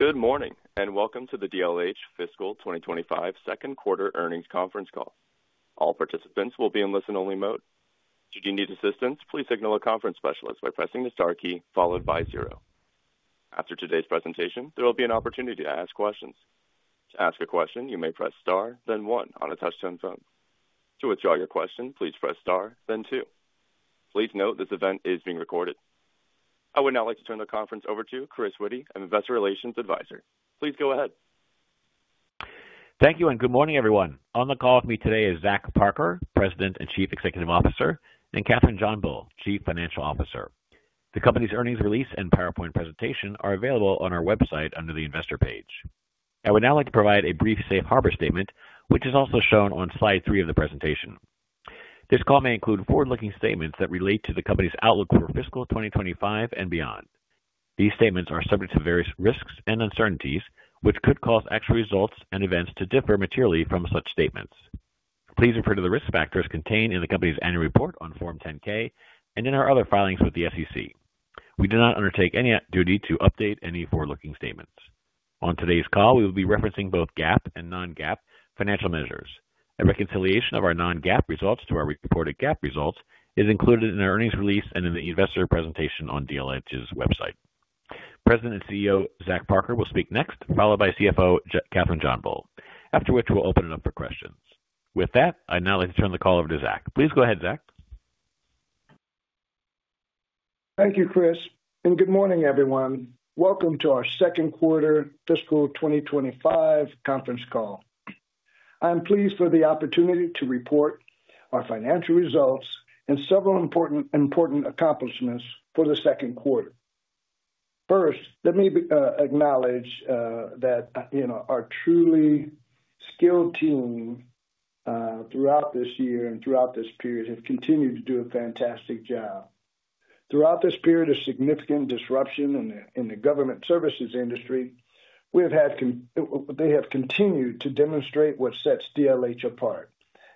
Good morning and welcome to the DLH Fiscal 2025 Second Quarter Earnings Conference Call. All participants will be in listen-only mode. Should you need assistance, please signal a conference specialist by pressing the star key followed by zero. After today's presentation, there will be an opportunity to ask questions. To ask a question, you may press star, then one on a touch-tone phone. To withdraw your question, please press star, then two. Please note this event is being recorded. I would now like to turn the conference over to Chris Witty, an Investor Relations Advisor. Please go ahead. Thank you and good morning, everyone. On the call with me today is Zach Parker, President and Chief Executive Officer, and Kathryn JohnBull, Chief Financial Officer. The company's earnings release and PowerPoint presentation are available on our website under the Investor page. I would now like to provide a brief safe harbor statement, which is also shown on slide three of the presentation. This call may include forward-looking statements that relate to the company's outlook for fiscal 2025 and beyond. These statements are subject to various risks and uncertainties, which could cause actual results and events to differ materially from such statements. Please refer to the risk factors contained in the company's annual report on Form 10-K and in our other filings with the SEC. We do not undertake any duty to update any forward-looking statements. On today's call, we will be referencing both GAAP and non-GAAP financial measures. A reconciliation of our non-GAAP results to our reported GAAP results is included in our earnings release and in the investor presentation on DLH's website. President and CEO Zach Parker will speak next, followed by CFO Kathryn JohnBull, after which we'll open it up for questions. With that, I'd now like to turn the call over to Zach. Please go ahead, Zach. Thank you, Chris, and good morning, everyone. Welcome to our Second Quarter Fiscal 2025 Conference Call. I'm pleased for the opportunity to report our financial results and several important accomplishments for the second quarter. First, let me acknowledge that our truly skilled team throughout this year and throughout this period have continued to do a fantastic job. Throughout this period of significant disruption in the government services industry, they have continued to demonstrate what sets DLH apart,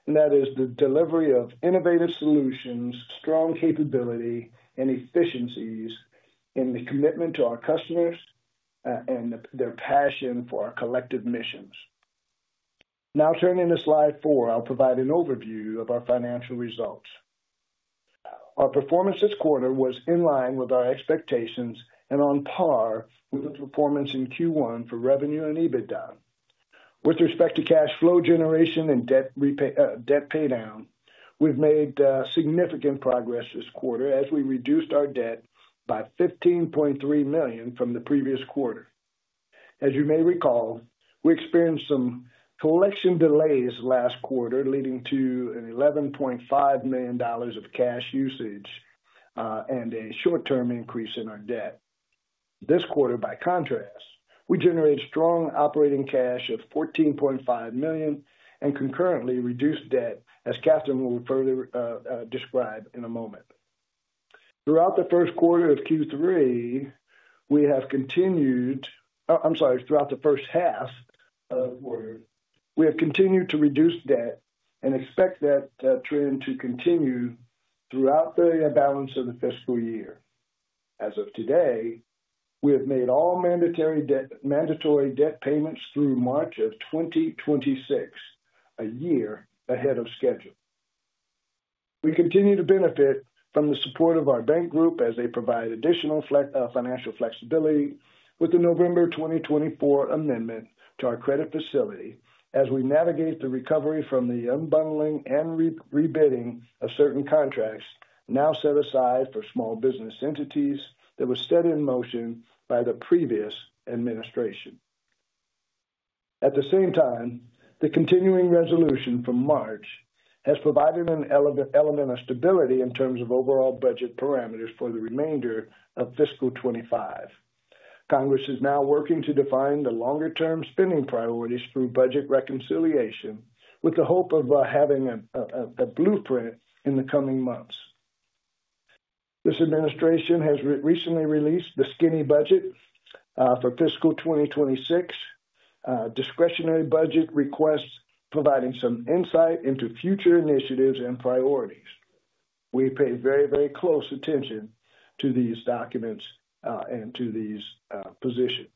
and that is the delivery of innovative solutions, strong capability, and efficiencies in the commitment to our customers and their passion for our collective missions. Now, turning to slide four, I'll provide an overview of our financial results. Our performance this quarter was in line with our expectations and on par with the performance in Q1 for revenue and EBITDA. With respect to cash flow generation and debt paydown, we've made significant progress this quarter as we reduced our debt by $15.3 million from the previous quarter. As you may recall, we experienced some collection delays last quarter, leading to $11.5 million of cash usage and a short-term increase in our debt. This quarter, by contrast, we generated strong operating cash of $14.5 million and concurrently reduced debt, as Kathryn will further describe in a moment. Throughout the first quarter of Q3, we have continued—I'm sorry, throughout the first half of the quarter, we have continued to reduce debt and expect that trend to continue throughout the balance of the fiscal year. As of today, we have made all mandatory debt payments through March of 2026, a year ahead of schedule. We continue to benefit from the support of our bank group as they provide additional financial flexibility with the November 2024 amendment to our credit facility as we navigate the recovery from the unbundling and rebidding of certain contracts now set aside for small business entities that were set in motion by the previous administration. At the same time, the continuing resolution from March has provided an element of stability in terms of overall budget parameters for the remainder of fiscal 25. Congress is now working to define the longer-term spending priorities through budget reconciliation with the hope of having a blueprint in the coming months. This administration has recently released the skinny budget for fiscal 2026, discretionary budget requests providing some insight into future initiatives and priorities. We pay very, very close attention to these documents and to these positions.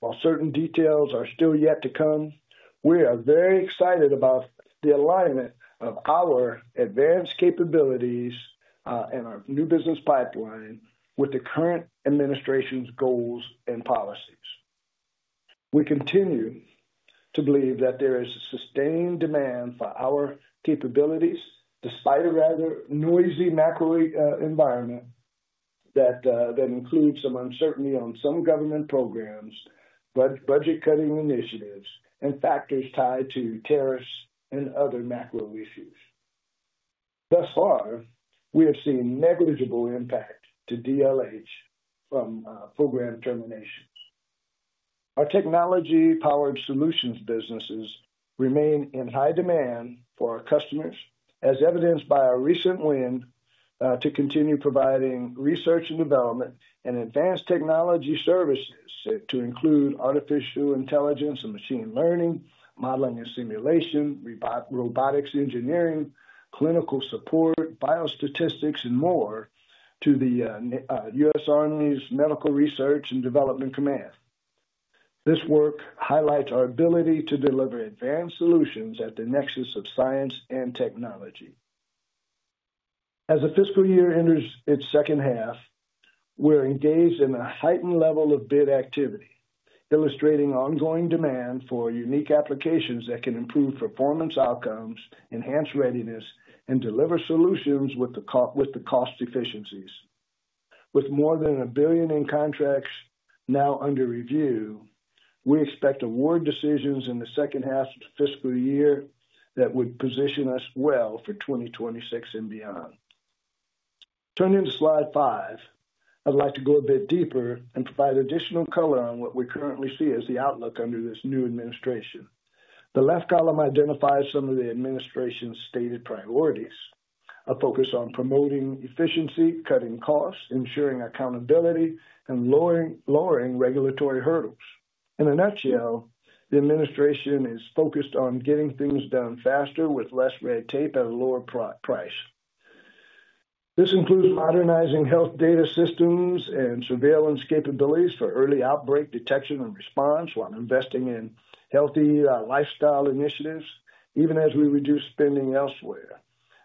While certain details are still yet to come, we are very excited about the alignment of our advanced capabilities and our new business pipeline with the current administration's goals and policies. We continue to believe that there is a sustained demand for our capabilities despite a rather noisy macro environment that includes some uncertainty on some government programs, budget-cutting initiatives, and factors tied to tariffs and other macro issues. Thus far, we have seen negligible impact to DLH from program terminations. Our technology-powered solutions businesses remain in high demand for our customers, as evidenced by our recent win to continue providing research and development and advanced technology services to include artificial intelligence and machine learning, modeling and simulation, robotics engineering, clinical support, biostatistics, and more to the U.S. Army's Medical Research and Development Command. This work highlights our ability to deliver advanced solutions at the nexus of science and technology. As the fiscal year enters its second half, we're engaged in a heightened level of bid activity, illustrating ongoing demand for unique applications that can improve performance outcomes, enhance readiness, and deliver solutions with the cost efficiencies. With more than $1 billion in contracts now under review, we expect award decisions in the second half of the fiscal year that would position us well for 2026 and beyond. Turning to slide five, I'd like to go a bit deeper and provide additional color on what we currently see as the outlook under this new administration. The left column identifies some of the administration's stated priorities: a focus on promoting efficiency, cutting costs, ensuring accountability, and lowering regulatory hurdles. In a nutshell, the administration is focused on getting things done faster with less red tape at a lower price. This includes modernizing health data systems and surveillance capabilities for early outbreak detection and response while investing in healthy lifestyle initiatives, even as we reduce spending elsewhere.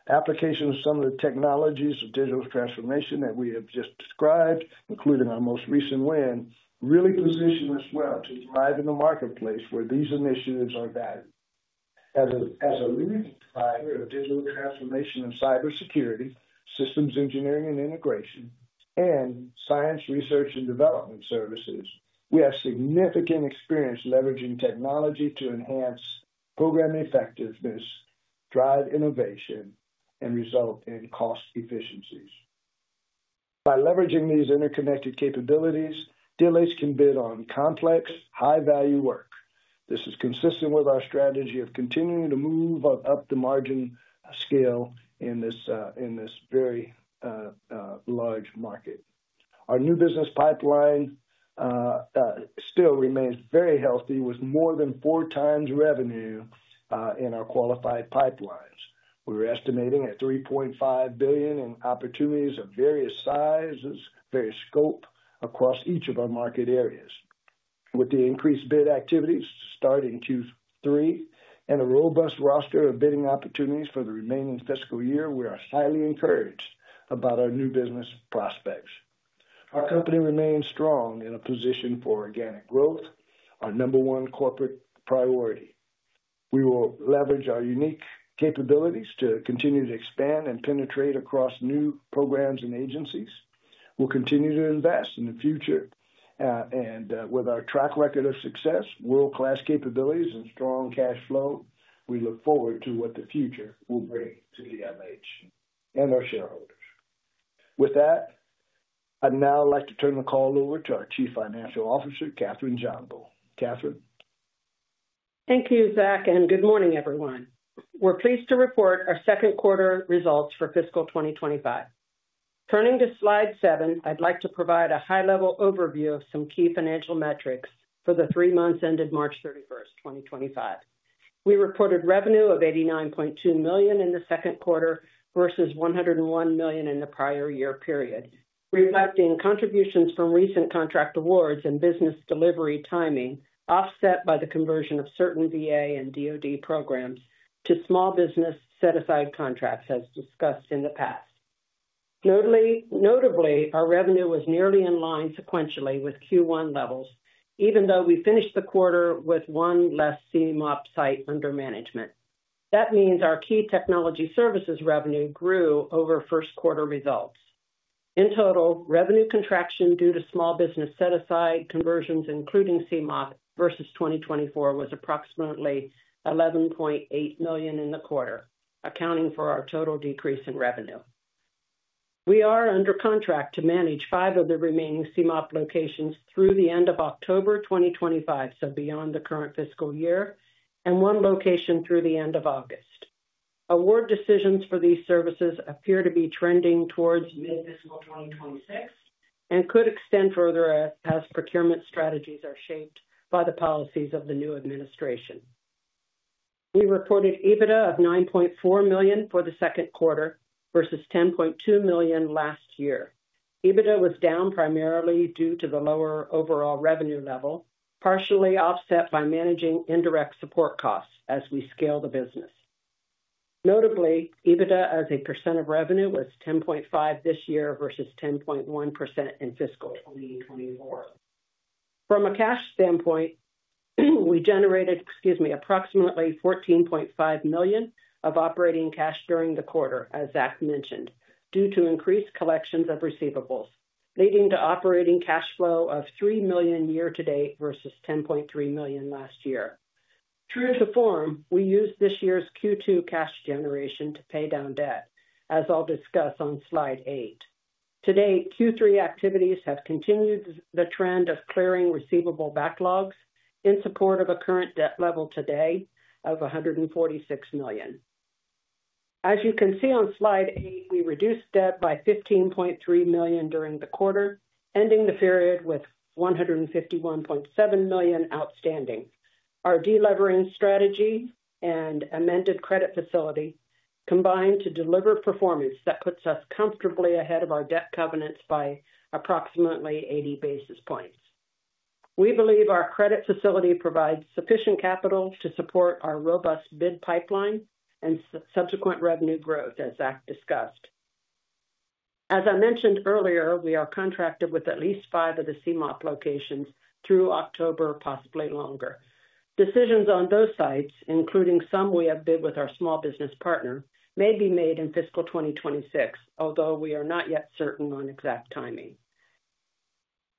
Application of some of the technologies of digital transformation that we have just described, including our most recent win, really positions us well to thrive in the marketplace where these initiatives are valued. As a leading provider of digital transformation and cybersecurity, systems engineering and integration, and science, research, and development services, we have significant experience leveraging technology to enhance program effectiveness, drive innovation, and result in cost efficiencies. By leveraging these interconnected capabilities, DLH can bid on complex, high-value work. This is consistent with our strategy of continuing to move up the margin scale in this very large market. Our new business pipeline still remains very healthy with more than four times revenue in our qualified pipelines. We're estimating at $3.5 billion in opportunities of various sizes, various scopes across each of our market areas. With the increased bid activities starting Q3 and a robust roster of bidding opportunities for the remaining fiscal year, we are highly encouraged about our new business prospects. Our company remains strong in a position for organic growth, our number one corporate priority. We will leverage our unique capabilities to continue to expand and penetrate across new programs and agencies. We'll continue to invest in the future, and with our track record of success, world-class capabilities, and strong cash flow, we look forward to what the future will bring to DLH and our shareholders. With that, I'd now like to turn the call over to our Chief Financial Officer, Kathryn JohnBull. Kathryn. Thank you, Zach, and good morning, everyone. We're pleased to report our second quarter results for fiscal 2025. Turning to slide seven, I'd like to provide a high-level overview of some key financial metrics for the three months ended March 31, 2025. We reported revenue of $89.2 million in the second quarter versus $101 million in the prior year period, reflecting contributions from recent contract awards and business delivery timing offset by the conversion of certain VA and DOD programs to small business set-aside contracts as discussed in the past. Notably, our revenue was nearly in line sequentially with Q1 levels, even though we finished the quarter with one less CMOP site under management. That means our key technology services revenue grew over first-quarter results. In total, revenue contraction due to small business set-aside conversions, including CMOP, versus 2024 was approximately $11.8 million in the quarter, accounting for our total decrease in revenue. We are under contract to manage five of the remaining CMOP locations through the end of October 2025, so beyond the current fiscal year, and one location through the end of August. Award decisions for these services appear to be trending towards mid-fiscal 2026 and could extend further as procurement strategies are shaped by the policies of the new administration. We reported EBITDA of $9.4 million for the second quarter versus $10.2 million last year. EBITDA was down primarily due to the lower overall revenue level, partially offset by managing indirect support costs as we scale the business. Notably, EBITDA as a percent of revenue was 10.5% this year versus 10.1% in fiscal 2024. From a cash standpoint, we generated, excuse me, approximately $14.5 million of operating cash during the quarter, as Zach mentioned, due to increased collections of receivables, leading to operating cash flow of $3 million year-to-date versus $10.3 million last year. True to form, we used this year's Q2 cash generation to pay down debt, as I'll discuss on slide eight. To date, Q3 activities have continued the trend of clearing receivable backlogs in support of a current debt level today of $146 million. As you can see on slide eight, we reduced debt by $15.3 million during the quarter, ending the period with $151.7 million outstanding. Our deleveraging strategy and amended credit facility combined to deliver performance that puts us comfortably ahead of our debt covenants by approximately 80 basis points. We believe our credit facility provides sufficient capital to support our robust bid pipeline and subsequent revenue growth, as Zach discussed. As I mentioned earlier, we are contracted with at least five of the CMOP locations through October, possibly longer. Decisions on those sites, including some we have bid with our small business partner, may be made in fiscal 2026, although we are not yet certain on exact timing.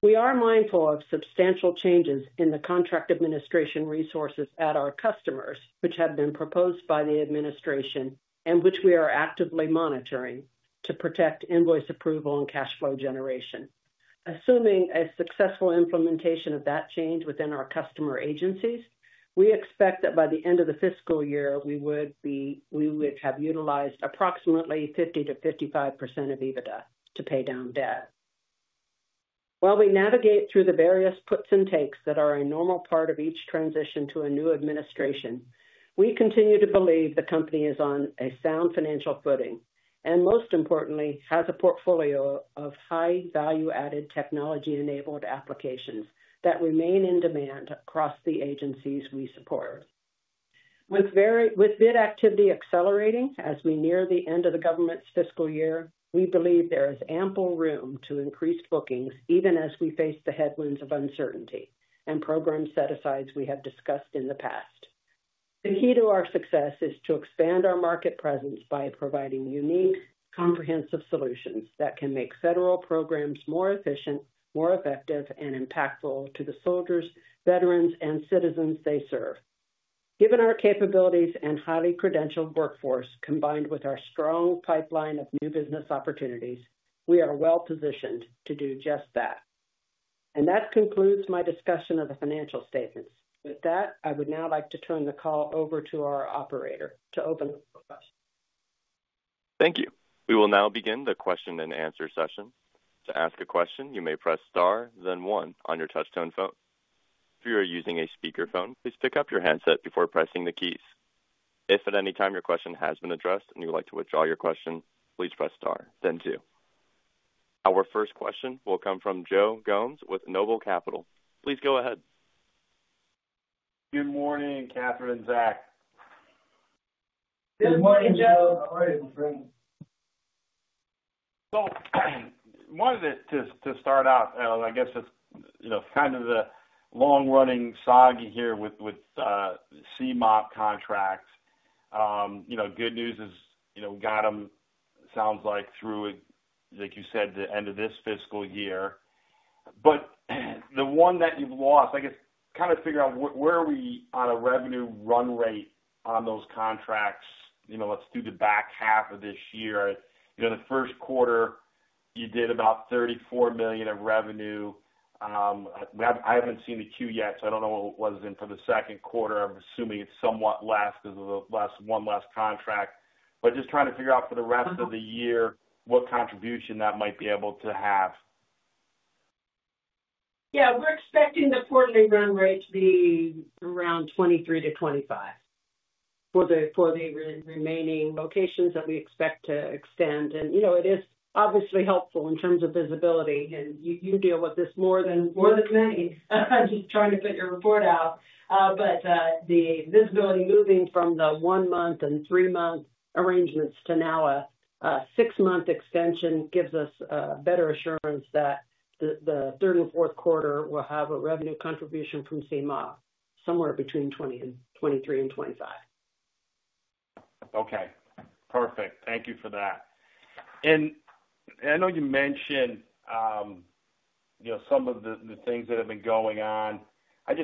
We are mindful of substantial changes in the contract administration resources at our customers, which have been proposed by the administration and which we are actively monitoring to protect invoice approval and cash flow generation. Assuming a successful implementation of that change within our customer agencies, we expect that by the end of the fiscal year, we would have utilized approximately 50%-55% of EBITDA to pay down debt. While we navigate through the various puts and takes that are a normal part of each transition to a new administration, we continue to believe the company is on a sound financial footing and, most importantly, has a portfolio of high-value-added technology-enabled applications that remain in demand across the agencies we support. With bid activity accelerating as we near the end of the government's fiscal year, we believe there is ample room to increase bookings even as we face the headwinds of uncertainty and program set-asides we have discussed in the past. The key to our success is to expand our market presence by providing unique, comprehensive solutions that can make federal programs more efficient, more effective, and impactful to the soldiers, veterans, and citizens they serve. Given our capabilities and highly credentialed workforce combined with our strong pipeline of new business opportunities, we are well-positioned to do just that. That concludes my discussion of the financial statements. With that, I would now like to turn the call over to our operator to open the floor for questions. Thank you. We will now begin the question-and-answer session. To ask a question, you may press star, then one on your touch-tone phone. If you are using a speakerphone, please pick up your handset before pressing the keys. If at any time your question has been addressed and you would like to withdraw your question, please press star, then two. Our first question will come from Joe Gomes with NOBLE Capital. Please go ahead. Good morning, Kathryn, Zach. Good morning, Joe. How are you, my friend? One of the, to start out, I guess it's kind of the long-running saga here with CMOP contracts. Good news is we got them, sounds like, through, like you said, the end of this fiscal year. The one that you've lost, I guess, kind of figure out where are we on a revenue run rate on those contracts? Let's do the back half of this year. The first quarter, you did about $34 million of revenue. I haven't seen the Q yet, so I don't know what was in for the second quarter. I'm assuming it's somewhat less because of the one less contract. Just trying to figure out for the rest of the year what contribution that might be able to have. Yeah, we're expecting the quarterly run rate to be around $23-$25 for the remaining locations that we expect to extend. It is obviously helpful in terms of visibility. If you deal with this more than many. I'm just trying to put your report out. The visibility moving from the one-month and three-month arrangements to now a six-month extension gives us better assurance that the third and fourth quarter will have a revenue contribution from CMOP somewhere between $23 and $25. Okay. Perfect. Thank you for that. I know you mentioned some of the things that have been going on. I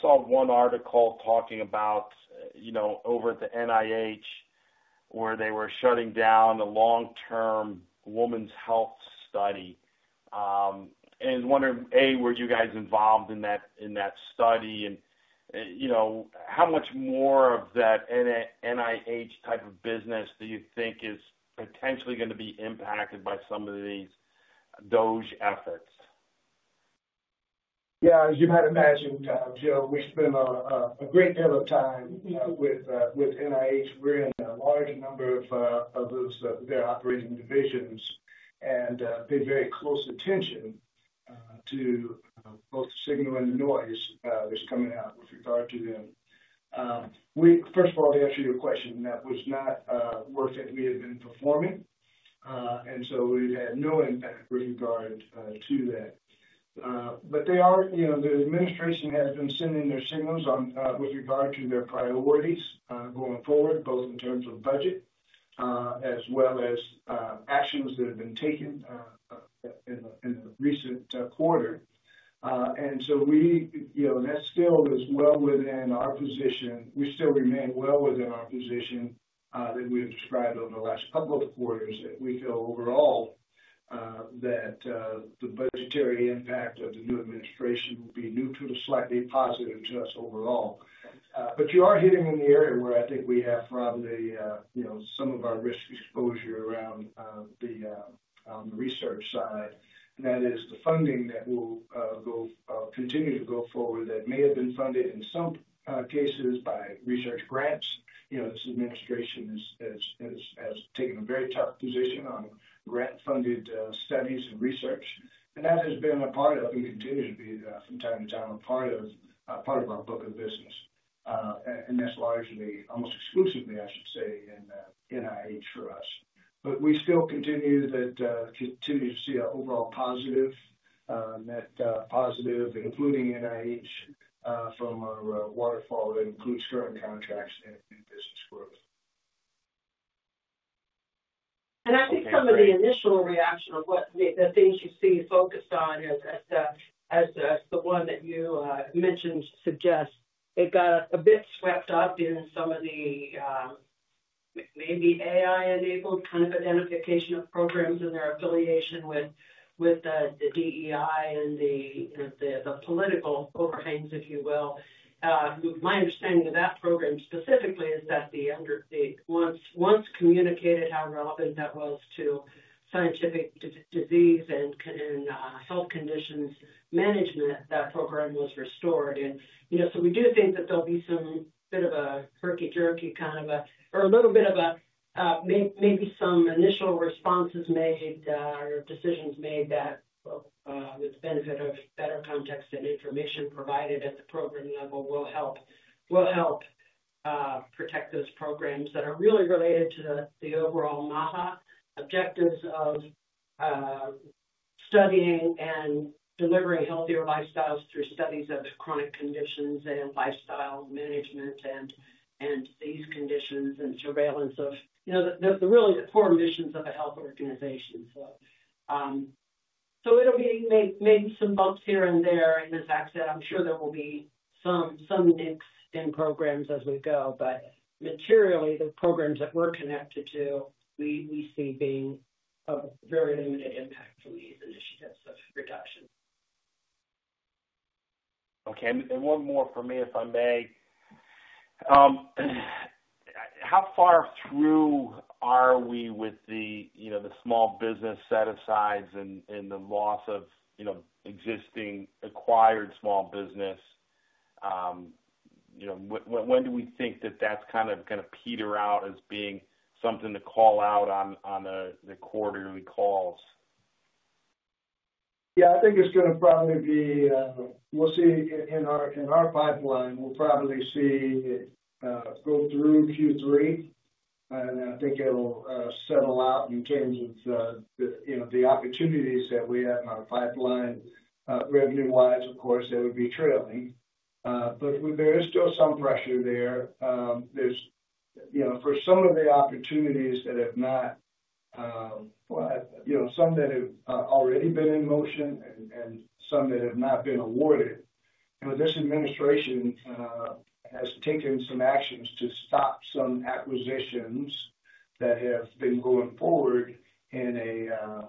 saw one article talking about over at the NIH where they were shutting down a long-term women's health study. I am wondering, A, were you guys involved in that study? How much more of that NIH type of business do you think is potentially going to be impacted by some of these dogged efforts? Yeah, as you might imagine, Joe, we spend a great deal of time with NIH. We're in a large number of their operating divisions, and they pay very close attention to both the signal and the noise that's coming out with regard to them. First of all, to answer your question, that was not work that we had been performing. And so we have no impact with regard to that. The administration has been sending their signals with regard to their priorities going forward, both in terms of budget as well as actions that have been taken in the recent quarter. That still is well within our position. We still remain well within our position that we have described over the last couple of quarters that we feel overall that the budgetary impact of the new administration will be neutral to slightly positive to us overall. You are hitting in the area where I think we have probably some of our risk exposure around the research side. That is the funding that will continue to go forward that may have been funded in some cases by research grants. This administration has taken a very tough position on grant-funded studies and research. That has been a part of and continues to be from time to time a part of our book of business. That is largely almost exclusively, I should say, in NIH for us. We still continue to see an overall positive net positive, including NIH, from our waterfall that includes current contracts and new business growth. I think some of the initial reaction of the things you see focused on, as the one that you mentioned suggests, it got a bit swept up in some of the maybe AI-enabled kind of identification of programs and their affiliation with the DEI and the political overhangs, if you will. My understanding of that program specifically is that once communicated how relevant that was to scientific disease and health conditions management, that program was restored. We do think that there'll be some bit of a hurry-jerky kind of a or a little bit of a maybe some initial responses made or decisions made that will, with the benefit of better context and information provided at the program level, help protect those programs that are really related to the overall MAHA objectives of studying and delivering healthier lifestyles through studies of chronic conditions and lifestyle management and disease conditions and surveillance of really the core missions of a health organization. There will be some bumps here and there. As Zach said, I'm sure there will be some nicks in programs as we go. Materially, the programs that we're connected to, we see being of very limited impact from these initiatives of reduction. Okay. And one more for me, if I may? How far through are we with the small business set-asides and the loss of existing acquired small business? When do we think that that's kind of going to peter out as being something to call out on the quarterly calls? Yeah, I think it's going to probably be we'll see in our pipeline. We'll probably see it go through Q3. I think it'll settle out in terms of the opportunities that we have in our pipeline. Revenue-wise, of course, that would be trailing. There is still some pressure there. For some of the opportunities that have not, well, some that have already been in motion and some that have not been awarded. This administration has taken some actions to stop some acquisitions that have been going forward in a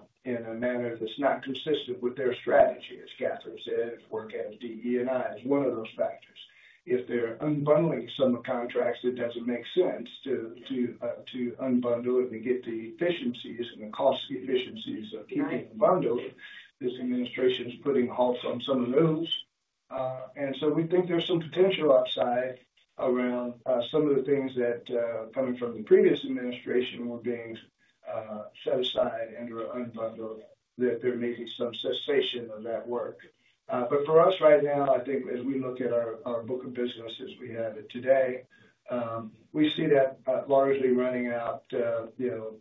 manner that's not consistent with their strategy, as Kathryn said, working at DEI as one of those factors. If they're unbundling some of the contracts, it doesn't make sense to unbundle it and get the efficiencies and the cost efficiencies of keeping it bundled. This administration is putting halt on some of those. We think there's some potential upside around some of the things that, coming from the previous administration, were being set aside and/or unbundled, that there may be some cessation of that work. For us right now, I think as we look at our book of business as we have it today, we see that largely running out in the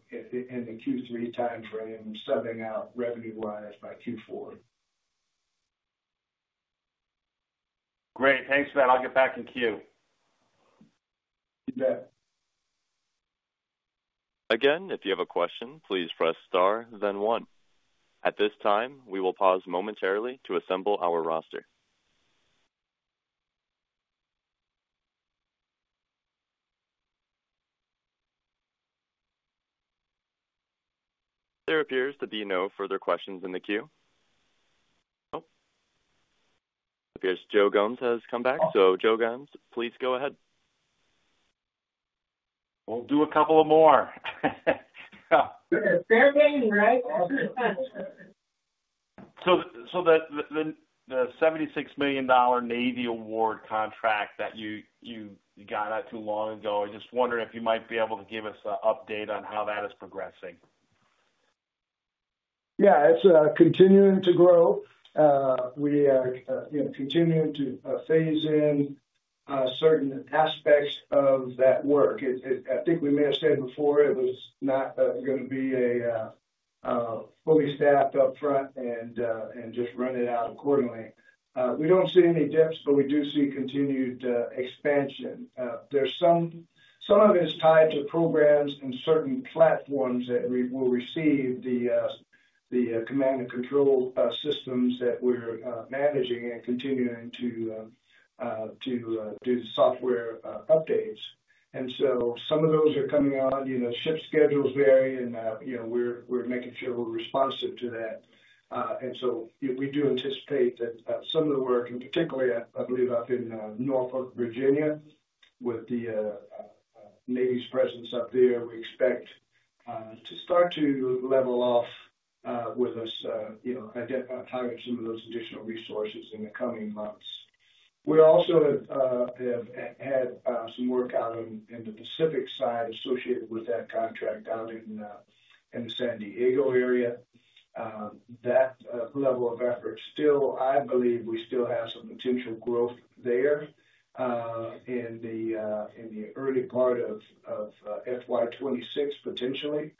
Q3 timeframe and subbing out revenue-wise by Q4. Great. Thanks for that. I'll get back in queue. Again, if you have a question, please press star, then one. At this time, we will pause momentarily to assemble our roster. There appears to be no further questions in the queue. Nope. It appears Joe Gomes has come back. So Joe Gomes, please go ahead. We'll do a couple more. They're getting ready. The $76 million Navy Award contract that you got out too long ago, I just wondered if you might be able to give us an update on how that is progressing. Yeah, it's continuing to grow. We are continuing to phase in certain aspects of that work. I think we may have said before it was not going to be fully staffed upfront and just run it out accordingly. We don't see any dips, but we do see continued expansion. Some of it is tied to programs and certain platforms that we will receive the command and control systems that we're managing and continuing to do software updates. Some of those are coming on. Ship schedules vary, and we're making sure we're responsive to that. And so if we do anticipate that some of the work, and particularly, I believe, up in Norfolk, Virginia, with the Navy's presence up there, we expect to start to level off with us, and tighten some of those additional resources in the coming months. We also have had some work out in the Pacific side associated with that contract out in the San Diego area. That level of effort, still, I believe we still have some potential growth there in the early part of FY26, potentially.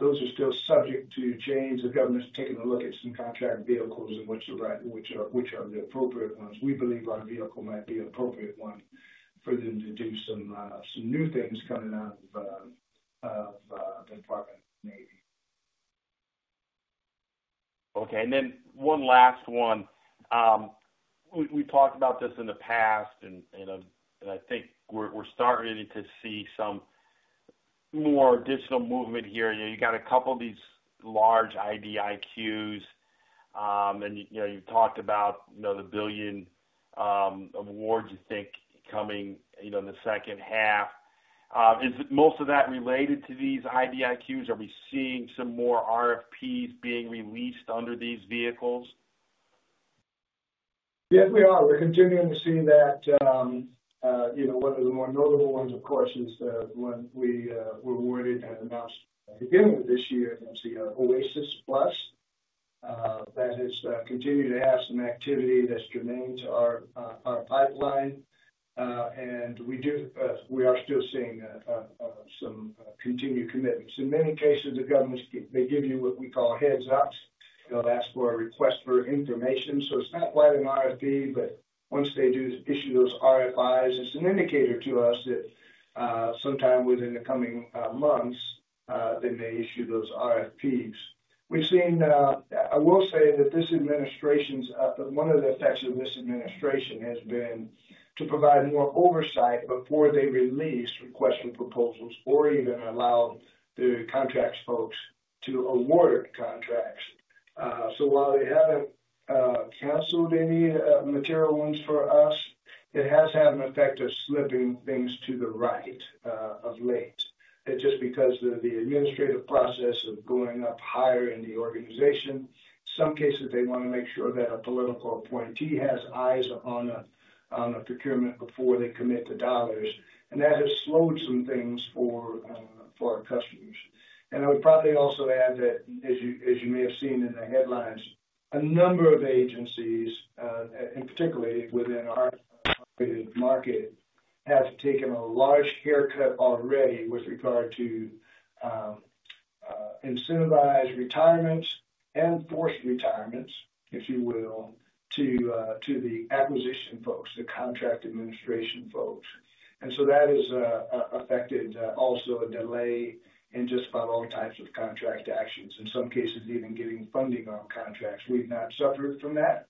Those are still subject to change. The government's taking a look at some contract vehicles and which are the appropriate ones. We believe our vehicle might be an appropriate one for them to do some new things coming out of the Department of Navy. Okay. And then one last one. We've talked about this in the past, and I think we're starting to see some more additional movement here. You got a couple of these large IDIQs, and you talked about the billion awards, you think, coming in the second half. Is most of that related to these IDIQs? Are we seeing some more RFPs being released under these vehicles? Yes, we are. We're continuing to see that. One of the more notable ones, of course, is when we were awarded and announced at the beginning of this year, it's the OASIS+ that has continued to have some activity that's germane to our pipeline. We are still seeing some continued commitments. In many cases, the government, they give you what we call heads-ups. They'll ask for a request for information. It's not quite an RFP, but once they do issue those RFIs, it's an indicator to us that sometime within the coming months, they may issue those RFPs. I will say that this administration's, one of the effects of this administration has been to provide more oversight before they release requests for proposals or even allow the contracts folks to award contracts. So while they haven't canceled any material ones for us, it has had an effect of slipping things to the right of late. It's just because of the administrative process of going up higher in the organization. In some cases, they want to make sure that a political appointee has eyes on a procurement before they commit the dollars. That has slowed some things for our customers. I would probably also add that, as you may have seen in the headlines, a number of agencies, and particularly within our market, have taken a large haircut already with regard to incentivized retirements and forced retirements, if you will, to the acquisition folks, the contract administration folks. That has affected also a delay in just about all types of contract actions, in some cases even getting funding on contracts. We've not suffered from that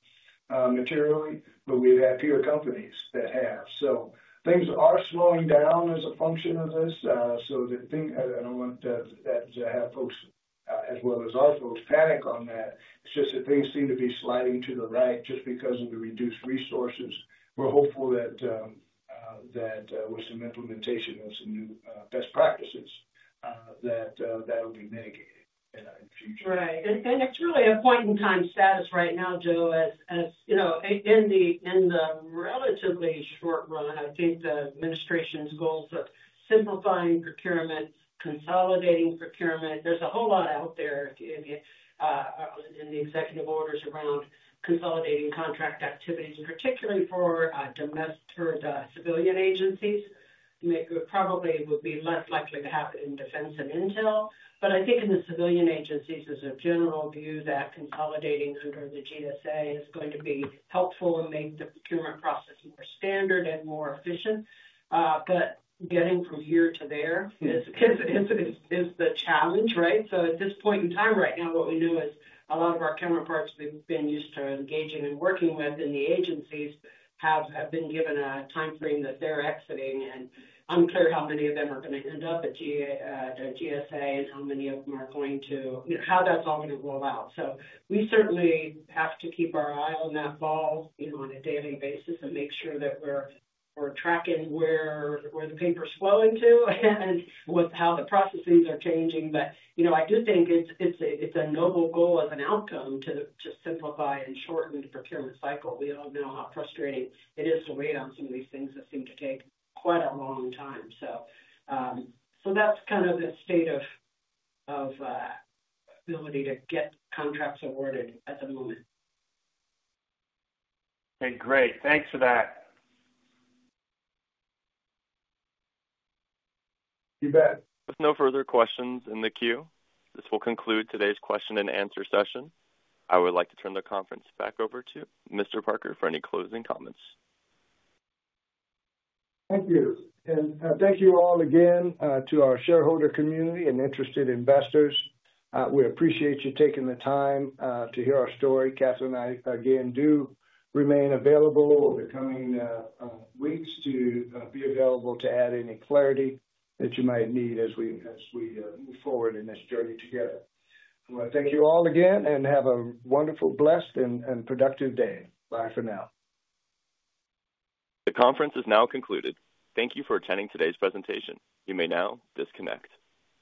materially, but we've had peer companies that have. Things are slowing down as a function of this. I don't want to have folks, as well as our folks, panic on that. It's just that things seem to be sliding to the right just because of the reduced resources. We're hopeful that with some implementation of some new best practices, that will be mitigated in the future. Right. It's really a point-in-time status right now, Joe, as in the relatively short run, I think the administration's goals of simplifying procurement, consolidating procurement. There's a whole lot out there in the executive orders around consolidating contract activities, particularly for domestic or civilian agencies. It probably would be less likely to happen in defense and intel. I think in the civilian agencies, as a general view, that consolidating under the GSA is going to be helpful and make the procurement process more standard and more efficient. Getting from here to there is the challenge, right? At this point in time right now, what we know is a lot of our counterparts we've been used to engaging and working with in the agencies have been given a timeframe that they're exiting. Unclear how many of them are going to end up at GSA and how many of them are going to how that's all going to roll out. We certainly have to keep our eye on that ball on a daily basis and make sure that we're tracking where the papers flow into and how the processes are changing. I do think it's a noble goal as an outcome to simplify and shorten the procurement cycle. We all know how frustrating it is to wait on some of these things that seem to take quite a long time. That's kind of the state of ability to get contracts awarded at the moment. Okay. Great. Thanks for that. You bet. There's no further questions in the queue. This will conclude today's question and answer session. I would like to turn the conference back over to Mr. Parker for any closing comments. Thank you. Thank you all again to our shareholder community and interested investors. We appreciate you taking the time to hear our story. Kathryn and I, again, do remain available over the coming weeks to be available to add any clarity that you might need as we move forward in this journey together. I want to thank you all again and have a wonderful, blessed, and productive day. Bye for now. The conference is now concluded. Thank you for attending today's presentation. You may now disconnect.